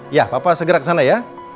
iya papa segera kesana ya